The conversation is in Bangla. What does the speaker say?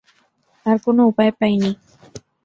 আর কোন উপায় পাইনি।